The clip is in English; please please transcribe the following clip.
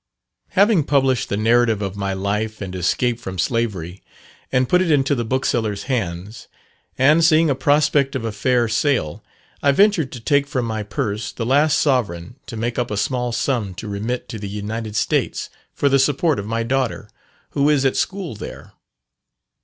Having published the narrative of my life and escape from slavery, and put it into the booksellers' hands and seeing a prospect of a fair sale, I ventured to take from my purse the last sovereign to make up a small sum to remit to the United States, for the support of my daughter, who is at school there.